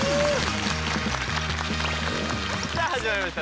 さあ始まりました